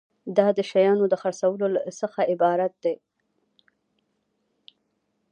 دا د شیانو د خرڅولو څخه عبارت دی.